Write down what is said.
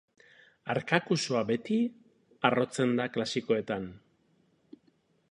Arkakusoa beti harrotzen da klasikoetan.